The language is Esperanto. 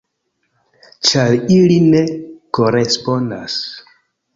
Ĉar ili ne korespondas.